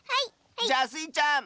じゃあスイちゃん！